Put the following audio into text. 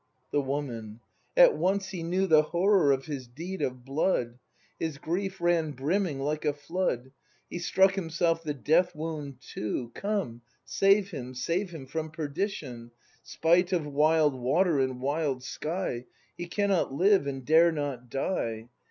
The Woman. At once he knew The horror of his deed of blood ! His grief ran brimming like a flood; He struck himself the death wound too. Come, save him, save him from perdition, Spite of wild water and wild sky! He cannot live, and dare not die!